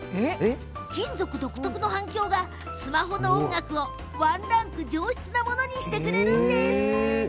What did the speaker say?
金属独特の反響がスマホから流れる音楽をワンランク上質なものにしてくれるというんです。